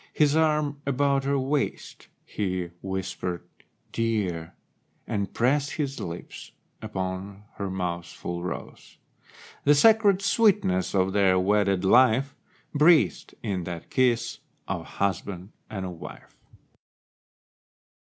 His arm about her waist, he whispered "Dear," And pressed his lips upon her mouth's full rose— The sacred sweetness of their wedded life Breathed in that kiss of husband and of wife.